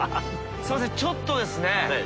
すいませんちょっとですねはい。